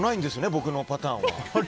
僕のパターンは。